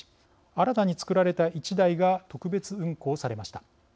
新たに作られた１台が特別運行されました。